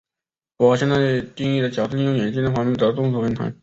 符合现代定义的矫正用眼镜的发明者众说纷纭。